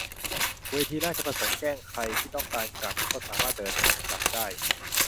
เวทีราชประสงค์แจ้งใครที่ต้องการกลับก็สามารถเดินทางกลับได้